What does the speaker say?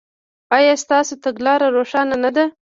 ایا ستاسو تګلاره روښانه نه ده؟